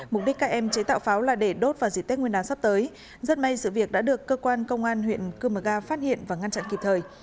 mục đích các em chế tạo pháo là để đốt vào dịp tết nguyên đán sắp tới rất may sự việc đã được cơ quan công an huyện cư mờ ga phát hiện và ngăn chặn kịp thời